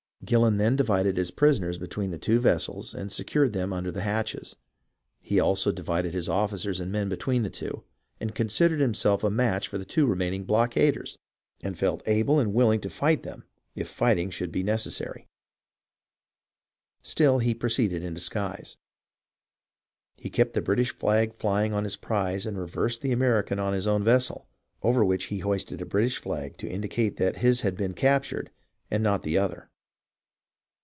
Gillon then divided his prisoners between the two vessels and secured them under the hatches. He also divided his officers and men between the two, and con sidered himself a match for the two remaining blockaders, and felt able and willing to fight them if fighting should be necessary ; still he proceeded in disguise. He kept the British flag flying on his prize and reversed the American on his own vessel, over which he hoisted a British flag to indicate that his had been captured and not the other.